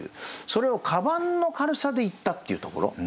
それを鞄の軽さで言ったっていうところ。